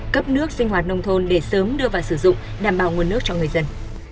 cấp nước sinh hoạt nông thôn để sớm đưa vào sử dụng đảm bảo nguồn nước cho người dân